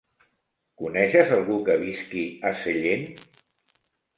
Coneixes algú que visqui a Sellent?